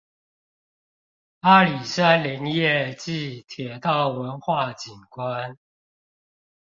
阿里山林業暨鐵道文化景觀